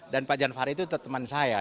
dan pak jan farid itu teteman saya